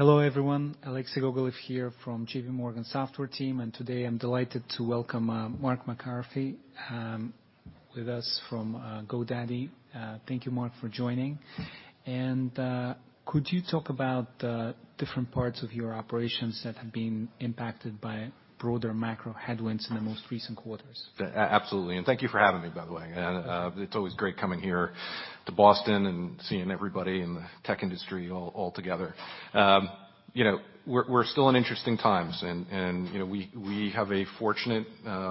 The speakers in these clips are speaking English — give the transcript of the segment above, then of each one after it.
Hello, everyone. Alexei Gogolev here from J.P. Morgan Software team, today I'm delighted to welcome, Mark McCaffrey, with us from, GoDaddy. Thank you, Mark, for joining. Could you talk about the different parts of your operations that have been impacted by broader macro headwinds in the most recent quarters? Absolutely. Thank you for having me, by the way. It's always great coming here to Boston and seeing everybody in the tech industry all together. You know, we're still in interesting times and, you know, we have a fortunate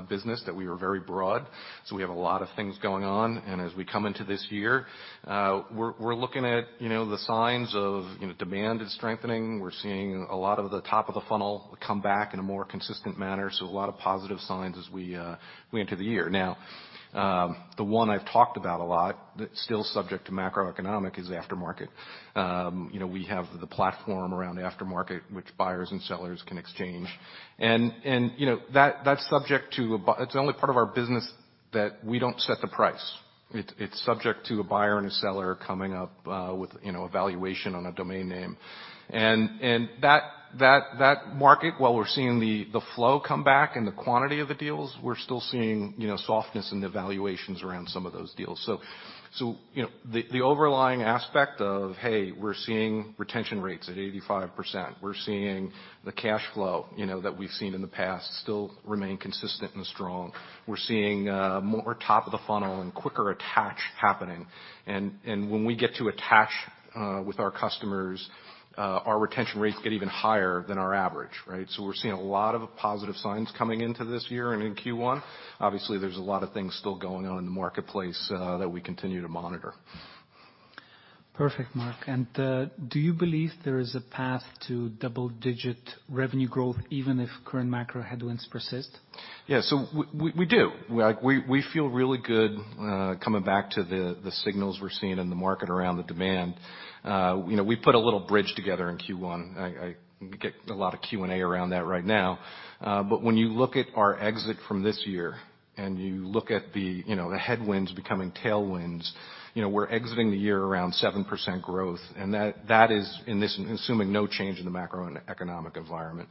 business that we are very broad, so we have a lot of things going on. As we come into this year, we're looking at, you know, the signs of, you know, demand is strengthening. We're seeing a lot of the top of the funnel come back in a more consistent manner, so a lot of positive signs as we enter the year. Now, the one I've talked about a lot that's still subject to macroeconomic is aftermarket. You know, we have the platform around aftermarket, which buyers and sellers can exchange. It's the only part of our business that we don't set the price. It's subject to a buyer and a seller coming up, with, you know, a valuation on a domain name. That market, while we're seeing the flow come back and the quantity of the deals, we're still seeing, you know, softness in the valuations around some of those deals. You know, the overlying aspect of, hey, we're seeing retention rates at 85%. We're seeing the cash flow, you know, that we've seen in the past still remain consistent and strong. We're seeing more top of the funnel and quicker attach happening. When we get to attach with our customers, our retention rates get even higher than our average, right? We're seeing a lot of positive signs coming into this year and in Q1. Obviously, there's a lot of things still going on in the marketplace that we continue to monitor. Perfect, Mark. Do you believe there is a path to double-digit revenue growth even if current macro headwinds persist? We do. Like, we feel really good coming back to the signals we're seeing in the market around the demand. You know, we put a little bridge together in Q1. I get a lot of Q&A around that right now. When you look at our exit from this year and you look at the, you know, the headwinds becoming tailwinds, you know, we're exiting the year around 7% growth, and that is assuming no change in the macroeconomic environment.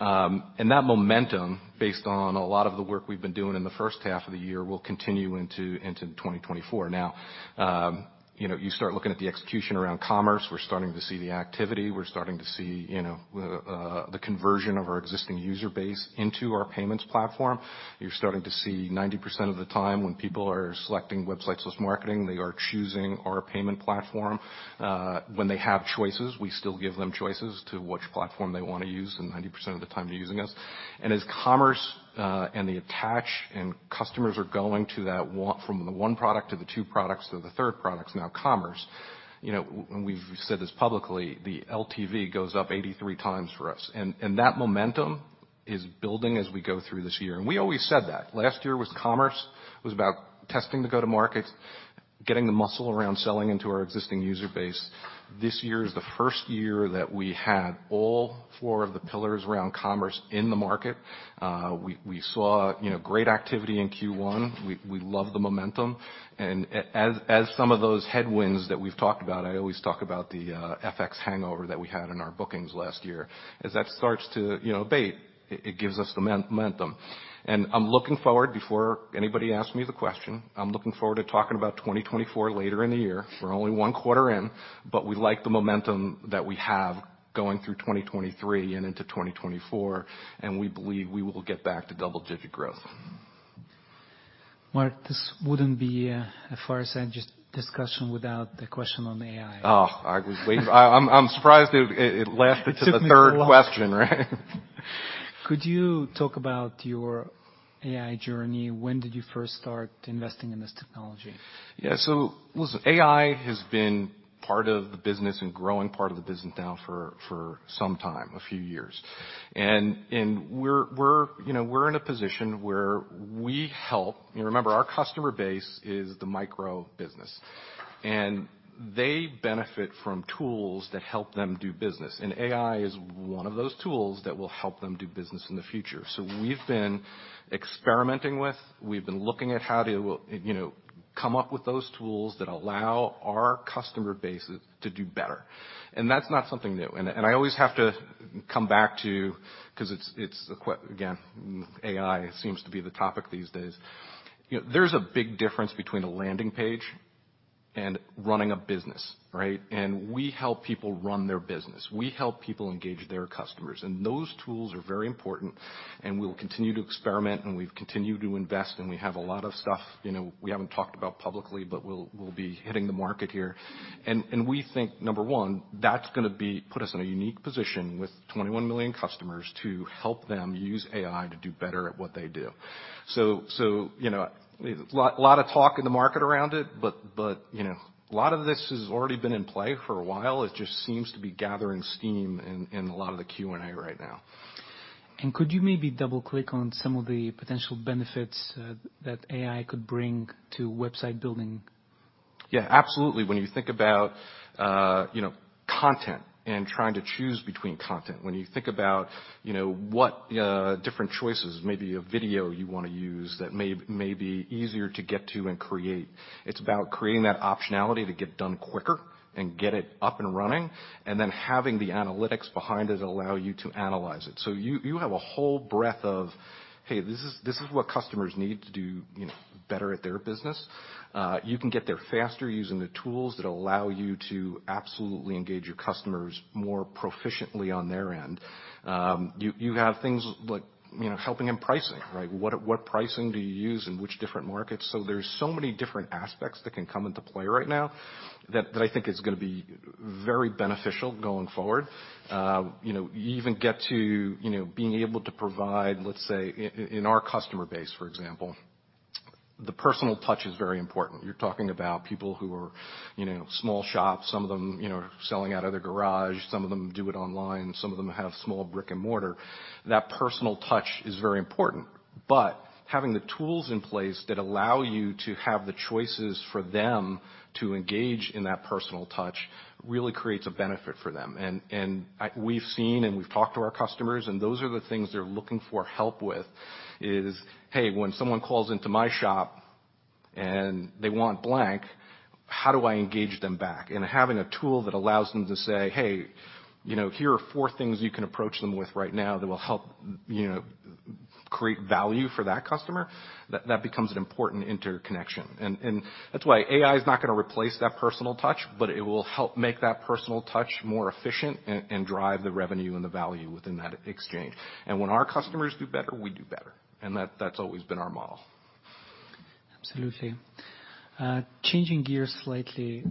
That momentum, based on a lot of the work we've been doing in the first half of the year, will continue into 2024. You know, you start looking at the execution around commerce. We're starting to see the activity. We're starting to see, you know, the conversion of our existing user base into our payments platform. You're starting to see 90% of the time when people are selecting Websites + Marketing, they are choosing our payment platform when they have choices. We still give them choices to which platform they wanna use, and 90% of the time they're using us. As commerce, and the attach and customers are going from the one product to the two products to the third products, now commerce, you know, and we've said this publicly, the LTV goes up 83x for us. That momentum is building as we go through this year, and we always said that. Last year was commerce. It was about testing the go-to-markets, getting the muscle around selling into our existing user base. This year is the first year that we had all four of the pillars around commerce in the market. We saw, you know, great activity in Q1. We love the momentum. As some of those headwinds that we've talked about, I always talk about the FX hangover that we had in our bookings last year. As that starts to, you know, abate, it gives us the momentum. I'm looking forward, before anybody asks me the question, I'm looking forward to talking about 2024 later in the year. We're only one quarter in, but we like the momentum that we have going through 2023 and into 2024, and we believe we will get back to double-digit growth. Mark, this wouldn't be a discussion without the question on AI. Oh, I was waiting. I'm surprised it lasted... Took me a while. to the third question, right? Could you talk about your AI journey? When did you first start investing in this technology? Yeah. Listen, AI has been part of the business and growing part of the business now for some time, a few years. And we're, you know, we're in a position where we help... Remember, our customer base is the micro business, and they benefit from tools that help them do business, and AI is one of those tools that will help them do business in the future. We've been experimenting with, we've been looking at how to, you know, come up with those tools that allow our customer base to do better, and that's not something new. And I always have to come back to, 'cause it's, again, AI seems to be the topic these days. You know, there's a big difference between a landing page and running a business, right? We help people run their business. We help people engage their customers, and those tools are very important, and we will continue to experiment, and we've continued to invest, and we have a lot of stuff, you know, we haven't talked about publicly, but we'll be hitting the market here. We think, number one, that's gonna put us in a unique position with 21 million customers to help them use AI to do better at what they do. You know, lot of talk in the market around it, but, you know, a lot of this has already been in play for a while. It just seems to be gathering steam in a lot of the Q&A right now. Could you maybe double-click on some of the potential benefits that AI could bring to website building? Yeah, absolutely. When you think about, you know, content and trying to choose between content, when you think about, you know, what different choices, maybe a video you wanna use that may be easier to get to and create. It's about creating that optionality to get done quicker and get it up and running. Then having the analytics behind it allow you to analyze it. You have a whole breadth of, hey, this is what customers need to do, you know, better at their business. You can get there faster using the tools that allow you to absolutely engage your customers more proficiently on their end. You have things like, you know, helping in pricing, right? What pricing do you use in which different markets? There's so many different aspects that can come into play right now that I think is going to be very beneficial going forward. You know, you even get to, you know, being able to provide, let's say, in our customer base, for example, the personal touch is very important. You're talking about people who are, you know, small shops, some of them, you know, are selling out of their garage, some of them do it online, some of them have small brick-and-mortar. That personal touch is very important, but having the tools in place that allow you to have the choices for them to engage in that personal touch really creates a benefit for them. We've seen and we've talked to our customers, and those are the things they're looking for help with is, hey, when someone calls into my shop and they want blank, how do I engage them back? Having a tool that allows them to say, "Hey, you know, here are four things you can approach them with right now that will help, you know, create value for that customer," that becomes an important interconnection. That's why AI is not gonna replace that personal touch, but it will help make that personal touch more efficient and drive the revenue and the value within that exchange. When our customers do better, we do better. That's always been our model. Absolutely. Changing gears slightly,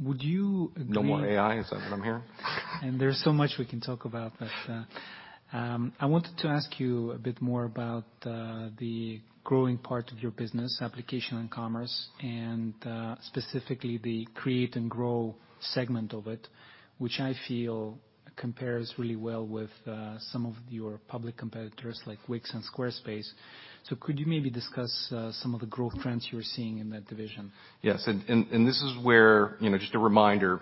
would you agree- No more AI, is that what I'm hearing? There's so much we can talk about, but I wanted to ask you a bit more about the growing part of your business, Applications & Commerce, and specifically the Create & Grow segment of it, which I feel compares really well with some of your public competitors like Wix and Squarespace. Could you maybe discuss some of the growth trends you're seeing in that division? Yes. This is where, you know, just a reminder,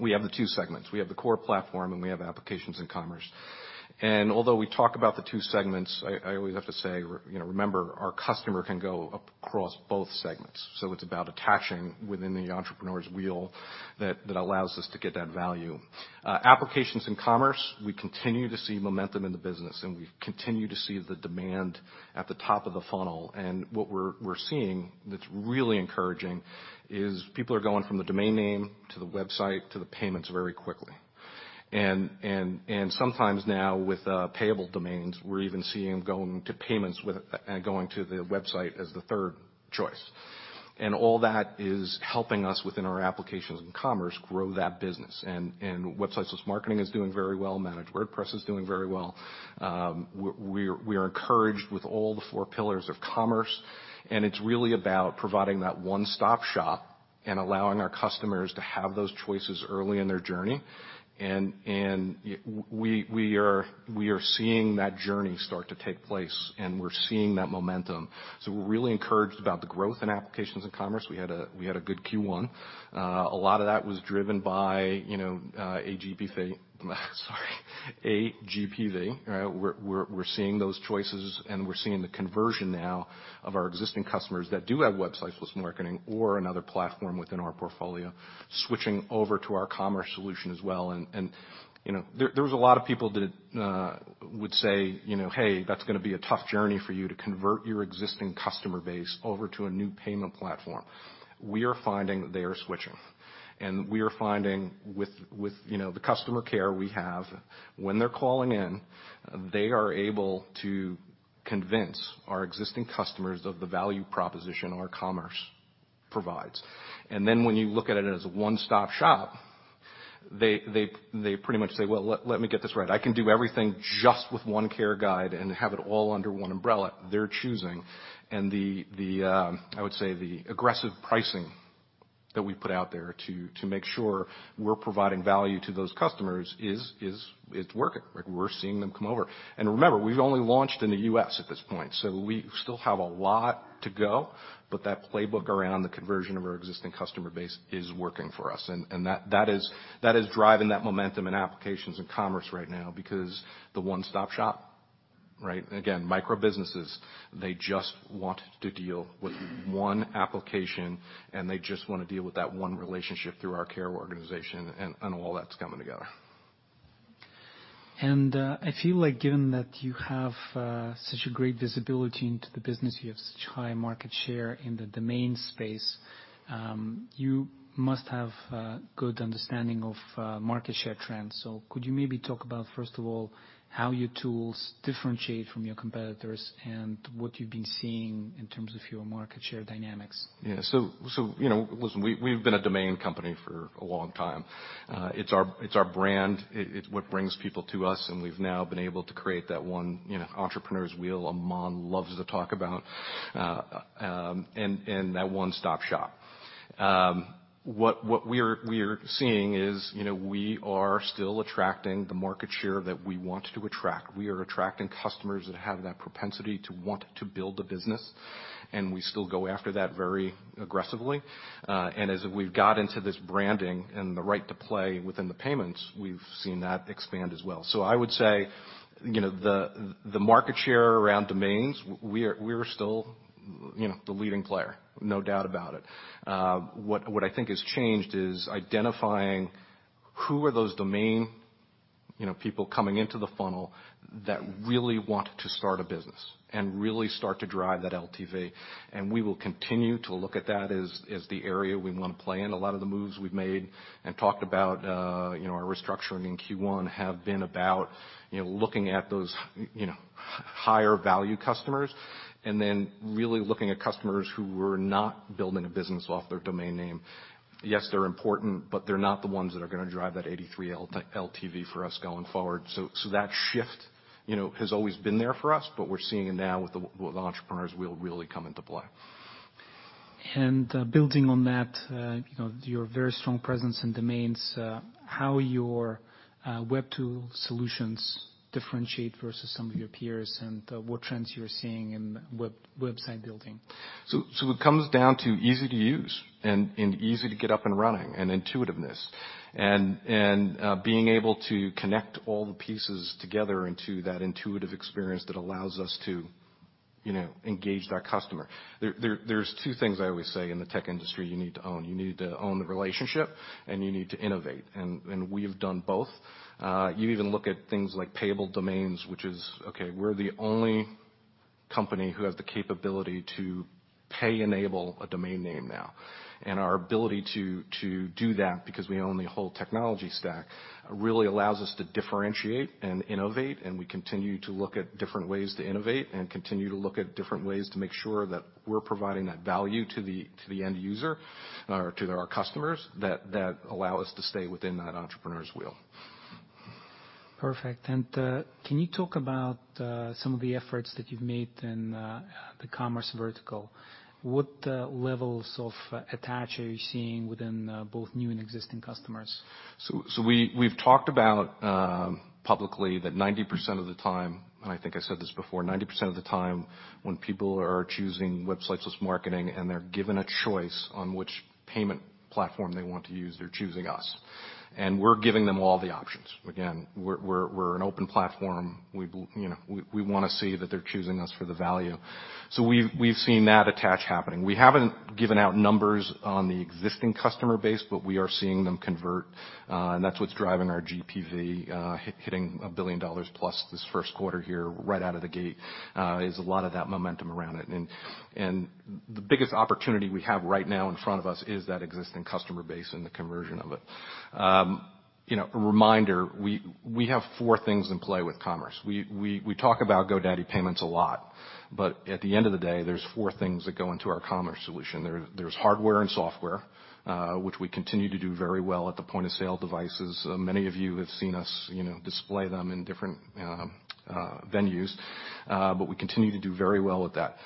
we have the two segments. We have the Core Platform, and we have Applications & Commerce. Although we talk about the two segments, I always have to say, you know, remember, our customer can go across both segments. It's about attaching within the Entrepreneur's Wheel that allows us to get that value. Applications & Commerce, we continue to see momentum in the business, and we continue to see the demand at the top of the funnel. What we're seeing that's really encouraging is people are going from the domain name to the website to the payments very quickly. Sometimes now with Payable Domains, we're even seeing them going to payments going to the website as the third choice. All that is helping us within our Applications & Commerce grow that business. Websites + Marketing is doing very well. Managed WordPress is doing very well. We are encouraged with all the four pillars of commerce, and it's really about providing that one-stop shop and allowing our customers to have those choices early in their journey. We are seeing that journey start to take place, and we're seeing that momentum. We're really encouraged about the growth in Applications & Commerce. We had a good Q1. A lot of that was driven by, you know, GPV. We're seeing those choices, and we're seeing the conversion now of our existing customers that do have Websites + Marketing or another platform within our portfolio, switching over to our commerce solution as well. You know, there was a lot of people that would say, you know, "Hey, that's gonna be a tough journey for you to convert your existing customer base over to a new payment platform." We are finding that they are switching, and we are finding with, you know, the customer care we have, when they're calling in, they are able to convince our existing customers of the value proposition our commerce provides. When you look at it as a one-stop shop, they pretty much say, "Well, let me get this right. I can do everything just with one care guide and have it all under one umbrella." They're choosing. The, I would say, the aggressive pricing that we put out there to make sure we're providing value to those customers is working. Like, we're seeing them come over. Remember, we've only launched in the U.S. at this point, so we still have a lot to go, but that playbook around the conversion of our existing customer base is working for us. That is driving that momentum in Applications & Commerce right now because the one-stop shop, right? Again, microbusinesses, they just want to deal with one application, and they just wanna deal with that one relationship through our care organization and all that's coming together. I feel like given that you have such a great visibility into the business, you have such high market share in the domain space, you must have a good understanding of market share trends. Could you maybe talk about, first of all, how your tools differentiate from your competitors and what you've been seeing in terms of your market share dynamics? Yeah. So, you know, listen, we've been a domain company for a long time. It's our brand. It's what brings people to us, and we've now been able to create that one, you know, Entrepreneur's Wheel Aman loves to talk about, and that one-stop shop. What we're seeing is, you know, we are still attracting the market share that we want to attract. We are attracting customers that have that propensity to want to build a business, and we still go after that very aggressively. And as we've got into this branding and the right to play within the payments, we've seen that expand as well. I would say, you know, the market share around domains, we're still, you know, the leading player, no doubt about it. What I think has changed is identifying who are those domain, you know, people coming into the funnel that really want to start a business and really start to drive that LTV. We will continue to look at that as the area we want to play in. A lot of the moves we've made and talked about, you know, our restructuring in Q1 have been about, you know, looking at those, you know, higher value customers and then really looking at customers who were not building a business off their domain name. Yes, they're important, but they're not the ones that are gonna drive that 83 LTV for us going forward. That shift, you know, has always been there for us, but we're seeing it now with Entrepreneur's Wheel really come into play. Building on that, you know, your very strong presence in domains, how your web tool solutions differentiate versus some of your peers and what trends you're seeing in website building? It comes down to easy to use and easy to get up and running and intuitiveness and, being able to connect all the pieces together into that intuitive experience that allows us to, you know, engage that customer. There's two things I always say in the tech industry you need to own. You need to own the relationship, and you need to innovate. We've done both. You even look at things like Payable Domains, which is, okay, we're the only company who has the capability to pay enable a domain name now. Our ability to do that because we own the whole technology stack really allows us to differentiate and innovate, and we continue to look at different ways to innovate and continue to look at different ways to make sure that we're providing that value to the end user or to our customers that allow us to stay within that Entrepreneur's Wheel. Perfect. Can you talk about some of the efforts that you've made in the commerce vertical? What levels of attach are you seeing within both new and existing customers? We've talked about publicly that 90% of the time, and I think I said this before, 90% of the time when people are choosing Websites + Marketing, and they're given a choice on which payment platform they want to use, they're choosing us, and we're giving them all the options. Again, we're an open platform. You know, we wanna see that they're choosing us for the value. We've seen that attach happening. We haven't given out numbers on the existing customer base, but we are seeing them convert, and that's what's driving our GPV hitting a billion dollars+ this first quarter here right out of the gate is a lot of that momentum around it. The biggest opportunity we have right now in front of us is that existing customer base and the conversion of it. You know, a reminder, we have four things in play with commerce. We talk about GoDaddy Payments a lot, but at the end of the day, there's four things that go into our commerce solution. There's hardware and software, which we continue to do very well at the point-of-sale devices. Many of you have seen us, you know, display them in different venues, but we continue to do very well with that.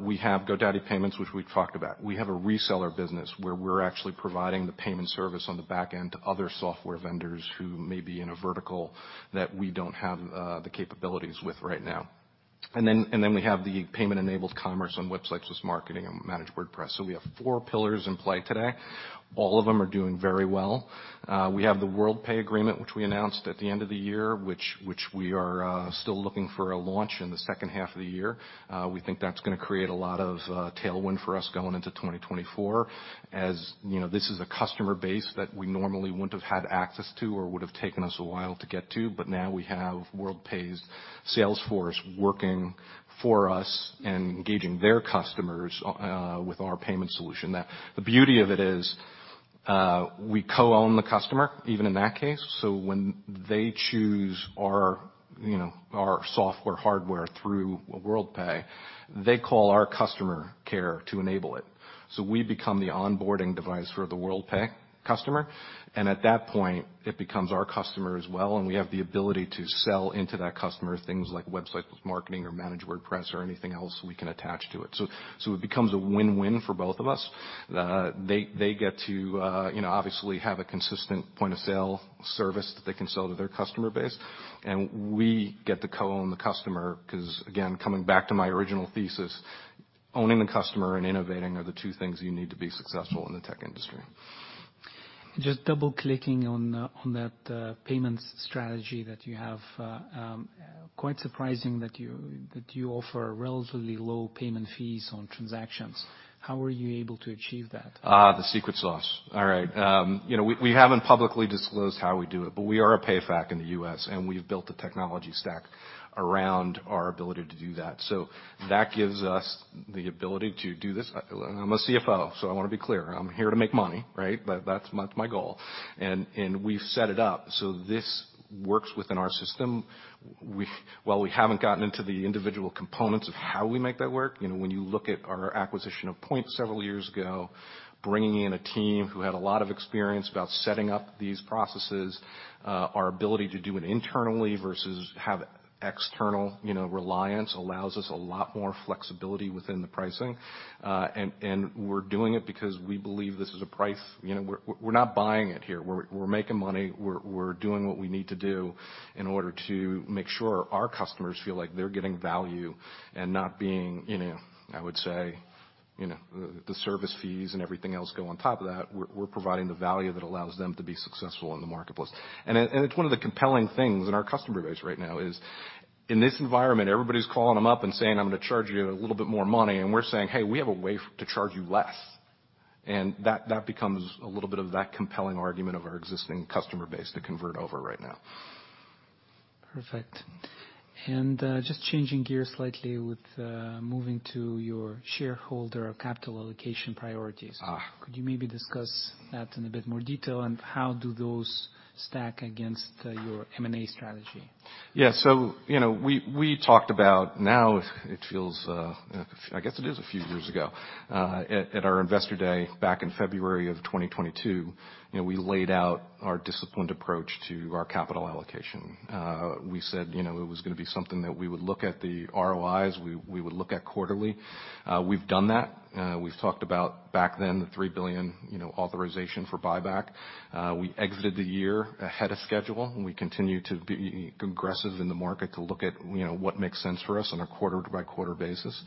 We have GoDaddy Payments, which we talked about. We have a reseller business where we're actually providing the payment service on the back end to other software vendors who may be in a vertical that we don't have the capabilities with right now. We have the payment-enabled commerce on Websites + Marketing and Managed WordPress. We have four pillars in play today. All of them are doing very well. We have the Worldpay agreement, which we announced at the end of the year, which we are still looking for a launch in the second half of the year. We think that's gonna create a lot of tailwind for us going into 2024. You know, this is a customer base that we normally wouldn't have had access to or would have taken us a while to get to, but now we have Worldpay's sales force working for us and engaging their customers with our payment solution. The beauty of it is, we co-own the customer, even in that case. When they choose our, you know, our software, hardware through Worldpay, they call our customer care to enable it. We become the onboarding device for the Worldpay customer, and at that point, it becomes our customer as well, and we have the ability to sell into that customer things like Websites + Marketing or Managed WordPress or anything else we can attach to it. It becomes a win-win for both of us. They get to, you know, obviously have a consistent point-of-sale service that they can sell to their customer base, and we get to co-own the customer 'cause, again, coming back to my original thesis, owning the customer and innovating are the two things you need to be successful in the tech industry. Just double-clicking on that payments strategy that you have, quite surprising that you offer relatively low payment fees on transactions. How are you able to achieve that? The secret sauce. All right. You know, we haven't publicly disclosed how we do it, but we are a PayFac in the U.S., and we've built a technology stack around our ability to do that. That gives us the ability to do this. I'm a CFO, so I wanna be clear, I'm here to make money, right? That's my goal. And we've set it up so this works within our system. While we haven't gotten into the individual components of how we make that work, you know, when you look at our acquisition of Poynt several years ago, bringing in a team who had a lot of experience about setting up these processes, our ability to do it internally versus have external, you know, reliance allows us a lot more flexibility within the pricing. We're doing it because we believe this is a price. You know, we're not buying it here. We're making money. We're doing what we need to do in order to make sure our customers feel like they're getting value and not being, you know, I would say, you know, the service fees and everything else go on top of that. We're providing the value that allows them to be successful in the marketplace. It's one of the compelling things in our customer base right now is in this environment, everybody's calling them up and saying, "I'm gonna charge you a little bit more money," and we're saying, "Hey, we have a way to charge you less." That becomes a little bit of that compelling argument of our existing customer base to convert over right now. Perfect. just changing gears slightly with, moving to your shareholder capital allocation priorities. Ah. Could you maybe discuss that in a bit more detail and how do those stack against your M&A strategy? Yeah. So, you know, we talked about now it feels, I guess it is a few years ago, at our Investor Day back in February of 2022, you know, we laid out our disciplined approach to our capital allocation. We said, you know, it was gonna be something that we would look at the ROIs, we would look at quarterly. We've done that. We've talked about back then the $3 billion, you know, authorization for buyback. We exited the year ahead of schedule, and we continue to be aggressive in the market to look at, you know, what makes sense for us on a quarter-by-quarter basis.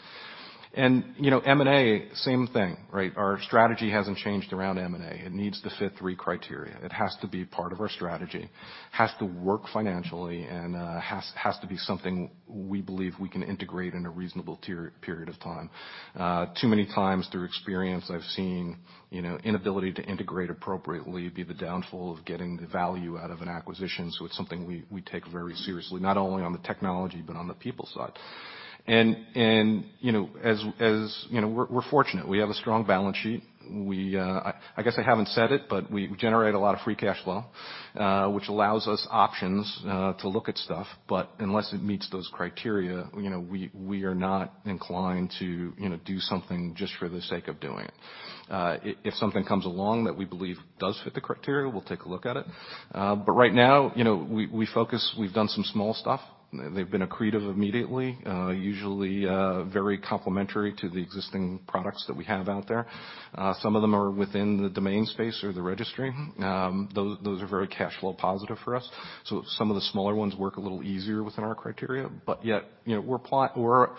You know, M&A, same thing, right? Our strategy hasn't changed around M&A. It needs to fit three criteria. It has to be part of our strategy, has to work financially, and has to be something we believe we can integrate in a reasonable per-period of time. Too many times through experience, I've seen, you know, inability to integrate appropriately be the downfall of getting the value out of an acquisition. It's something we take very seriously, not only on the technology but on the people side. You know, as, you know, we're fortunate. We have a strong balance sheet. We, I guess I haven't said it, but we generate a lot of free cash flow, which allows us options to look at stuff. Unless it meets those criteria, you know, we are not inclined to, you know, do something just for the sake of doing it. If something comes along that we believe does fit the criteria, we'll take a look at it. Right now, you know, we focus. We've done some small stuff. They've been accretive immediately, usually, very complementary to the existing products that we have out there. Some of them are within the domain space or the registry. Those are very cash flow positive for us. Some of the smaller ones work a little easier within our criteria. Yet, you know,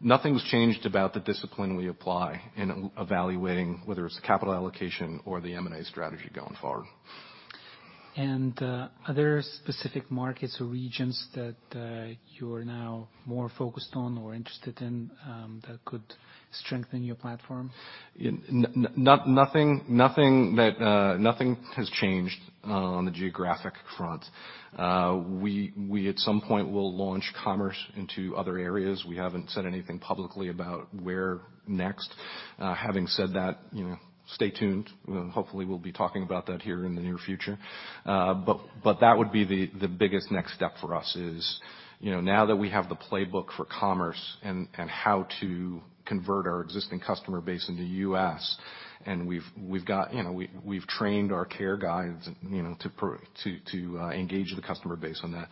nothing's changed about the discipline we apply in evaluating whether it's the capital allocation or the M&A strategy going forward. Are there specific markets or regions that you're now more focused on or interested in, that could strengthen your platform? Nothing that nothing has changed on the geographic front. We at some point will launch commerce into other areas. We haven't said anything publicly about where next. Having said that, you know, stay tuned. Hopefully, we'll be talking about that here in the near future. That would be the biggest next step for us is, you know, now that we have the playbook for commerce and how to convert our existing customer base in the U.S., and we've got, you know, we've trained our care guides, you know, to engage the customer base on that.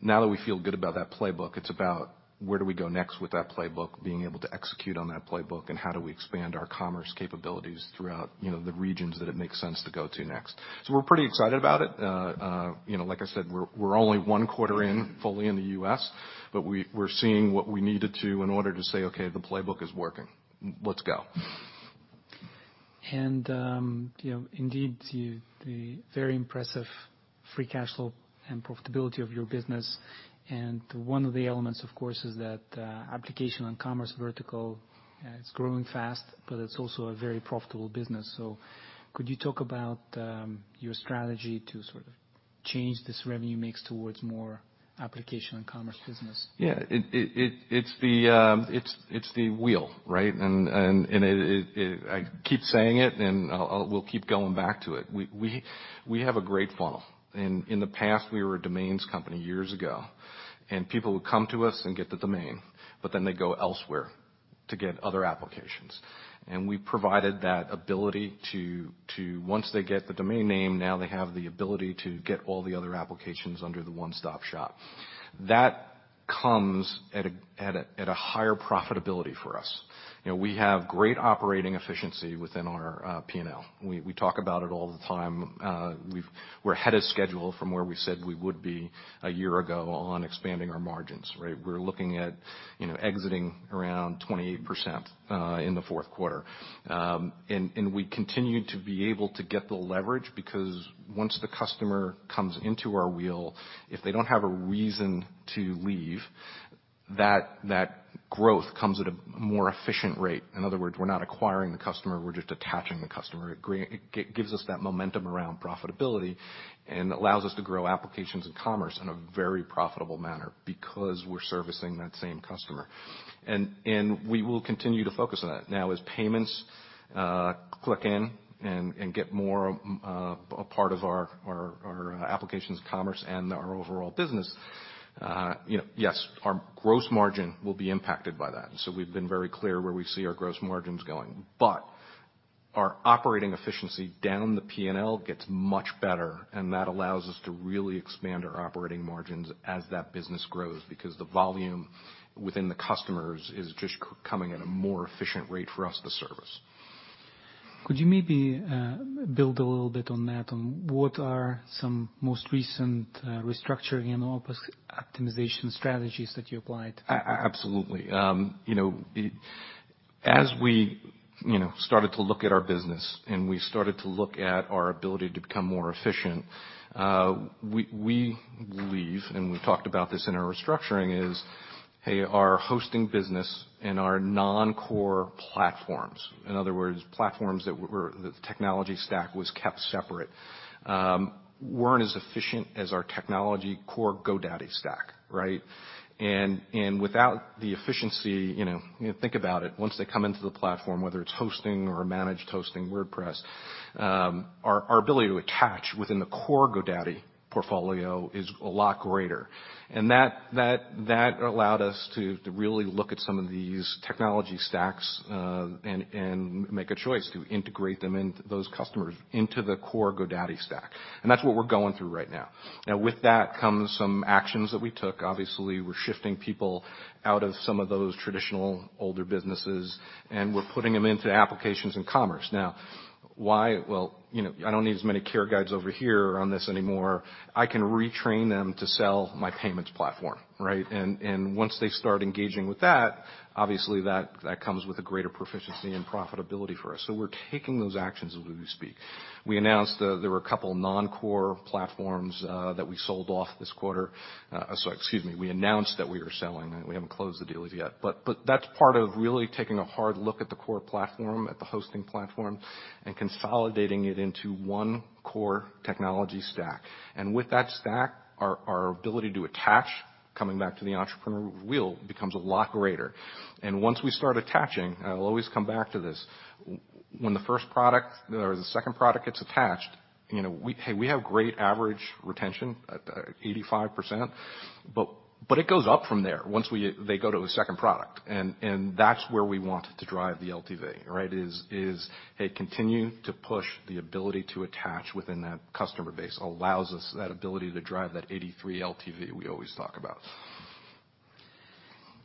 Now that we feel good about that playbook, it's about where do we go next with that playbook, being able to execute on that playbook, and how do we expand our commerce capabilities throughout, you know, the regions that it makes sense to go to next. We're pretty excited about it. you know, like I said, we're only one quarter in fully in the U.S., but we're seeing what we needed to in order to say, "Okay, the playbook is working. Let's go. You know, indeed, the very impressive free cash flow and profitability of your business. One of the elements, of course, is that Application & Commerce vertical, it's growing fast, but it's also a very profitable business. Could you talk about your strategy to sort of change this revenue mix towards more Application & Commerce business? Yeah. It's the wheel, right? I keep saying it, and we'll keep going back to it. We have a great funnel. In the past, we were a domains company years ago. People would come to us and get the domain, they go elsewhere to get other applications. We provided that ability once they get the domain name, now they have the ability to get all the other applications under the one-stop shop. That comes at a higher profitability for us. You know, we have great operating efficiency within our P&L. We talk about it all the time. We're ahead of schedule from where we said we would be a year ago on expanding our margins, right? We're looking at exiting around 28% in the fourth quarter. We continue to be able to get the leverage because once the customer comes into our wheel, if they don't have a reason to leave, that growth comes at a more efficient rate. In other words, we're not acquiring the customer, we're just attaching the customer. It gives us that momentum around profitability and allows us to grow Applications & Commerce in a very profitable manner because we're servicing that same customer. We will continue to focus on that. Now, as payments click in and get more a part of our Applications, Commerce, and our overall business, yes, our gross margin will be impacted by that. We've been very clear where we see our gross margins going. Our operating efficiency down the P&L gets much better, and that allows us to really expand our operating margins as that business grows, because the volume within the customers is just coming at a more efficient rate for us to service. Could you maybe build a little bit on that, on what are some most recent restructuring and optimization strategies that you applied? Absolutely. You know, as we, you know, started to look at our business and we started to look at our ability to become more efficient, we believe, and we've talked about this in our restructuring is, hey, our hosting business and our non-core platforms, in other words, platforms that were the technology stack was kept separate, weren't as efficient as our technology core GoDaddy stack, right? Without the efficiency, you know, think about it, once they come into the platform, whether it's hosting or a managed hosting WordPress, our ability to attach within the core GoDaddy portfolio is a lot greater. That allowed us to really look at some of these technology stacks and make a choice to integrate them into those customers, into the core GoDaddy stack. That's what we're going through right now. With that comes some actions that we took. Obviously, we're shifting people out of some of those traditional older businesses, we're putting them into Applications & Commerce. Why? Well, you know, I don't need as many Guides over here on this anymore. I can retrain them to sell my GoDaddy Payments, right? Once they start engaging with that, obviously that comes with a greater proficiency and profitability for us. We're taking those actions as we speak. We announced there were a couple non-Core Platforms that we sold off this quarter. Excuse me, we announced that we were selling. We haven't closed the deals yet. That's part of really taking a hard look at the Core Platform, at the hosting platform, and consolidating it into one core technology stack. With that stack, our ability to attach, coming back to the Entrepreneur's Wheel, becomes a lot greater. Once we start attaching, and I'll always come back to this, when the first product or the second product gets attached, you know, we. Hey, we have great average retention, at 85%, but it goes up from there once they go to a second product. That's where we want to drive the LTV, right? Is, hey, continue to push the ability to attach within that customer base allows us that ability to drive that 83 LTV we always talk about.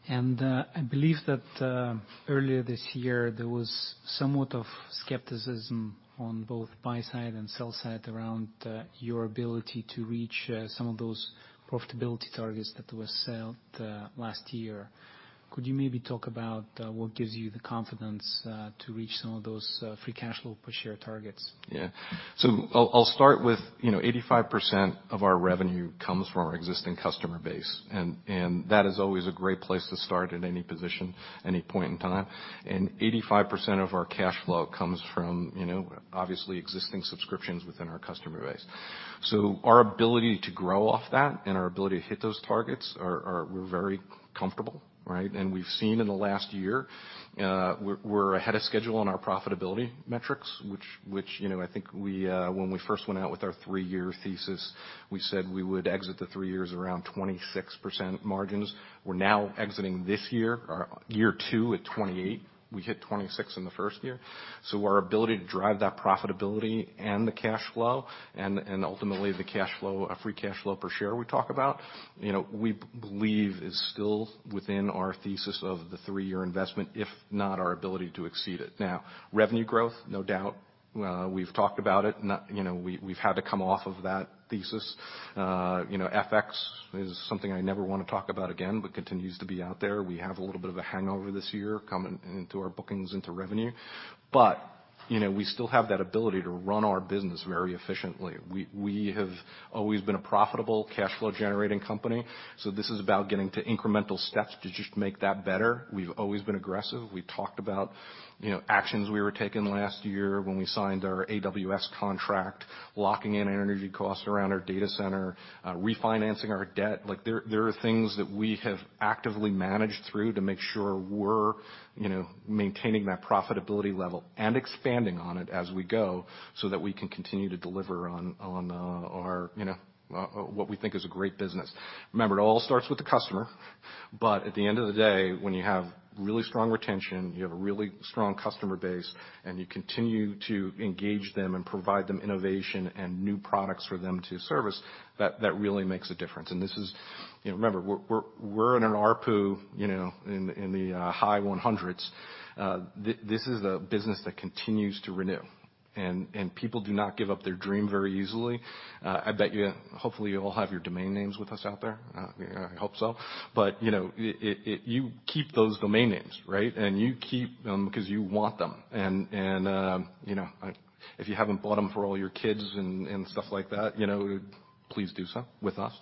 I believe that earlier this year, there was somewhat of skepticism on both buy side and sell side around your ability to reach some of those profitability targets that were set last year. Could you maybe talk about what gives you the confidence to reach some of those free cash flow per share targets? Yeah. I'll start with, you know, 85% of our revenue comes from our existing customer base, and that is always a great place to start at any position, any point in time. 85% of our cash flow comes from, you know, obviously existing subscriptions within our customer base. Our ability to grow off that and our ability to hit those targets, we're very comfortable, right? We've seen in the last year, we're ahead of schedule on our profitability metrics, which, you know, I think we, when we first went out with our 3-year thesis, we said we would exit the three years around 26% margins. We're now exiting this year, our year two at 28. We hit 26 in the first year. Our ability to drive that profitability and the cash flow and ultimately the cash flow, our free cash flow per share we talk about, you know, we believe is still within our thesis of the 3-year investment, if not our ability to exceed it. Revenue growth, no doubt. We've talked about it. You know, we've had to come off of that thesis. You know, FX is something I never wanna talk about again, but continues to be out there. We have a little bit of a hangover this year coming into our bookings, into revenue. You know, we still have that ability to run our business very efficiently. We have always been a profitable cash flow generating company. This is about getting to incremental steps to just make that better. We've always been aggressive. We talked about, you know, actions we were taking last year when we signed our AWS contract, locking in our energy costs around our data center, refinancing our debt. Like there are things that we have actively managed through to make sure we're, you know, maintaining that profitability level and expanding on it as we go so that we can continue to deliver on our, you know, what we think is a great business. Remember, it all starts with the customer, but at the end of the day, when you have really strong retention, you have a really strong customer base, and you continue to engage them and provide them innovation and new products for them to service, that really makes a difference. This is, you know, remember, we're in an ARPU, you know, in the high 100s. This is a business that continues to renew, and people do not give up their dream very easily. I bet you, hopefully, you all have your domain names with us out there. I hope so. You know, it, you keep those domain names, right? You keep them 'cause you want them. You know, if you haven't bought them for all your kids and stuff like that, you know, please do so with us.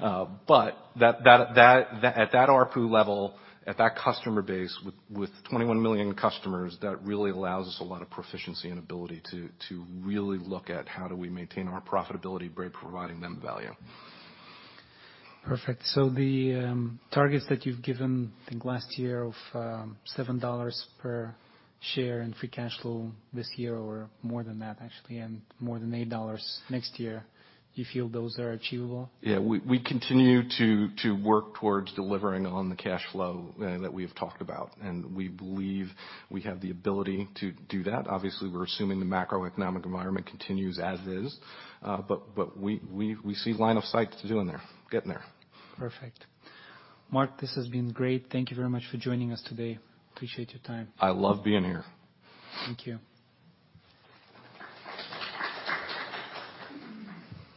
That, at that ARPU level, at that customer base with 21 million customers, that really allows us a lot of proficiency and ability to really look at how do we maintain our profitability by providing them value. The targets that you've given, I think, last year of $7 per share in free cash flow this year or more than that actually, and more than $8 next year, you feel those are achievable? Yeah. We continue to work towards delivering on the cash flow that we've talked about, and we believe we have the ability to do that. Obviously, we're assuming the macroeconomic environment continues as is, but we see line of sight to doing there, getting there. Perfect. Mark, this has been great. Thank you very much for joining us today. Appreciate your time. I love being here. Thank you.